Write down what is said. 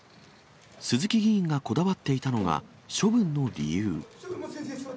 鈴木議員がこだわっていたのが処分の理由。